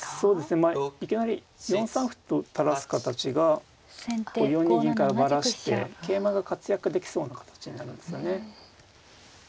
いきなり４三歩と垂らす形が４二銀からバラして桂馬が活躍できそうな形になるんですよね。